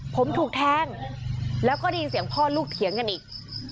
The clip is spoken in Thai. ผมถูกแทงแล้วก็ได้ยินเสียงพ่อลูกเถียงกันอีก